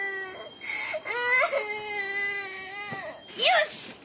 よし！